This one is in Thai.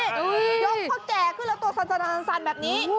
ยกพ่อแก่ขึ้นแล้วตัวสั่นแบบนี้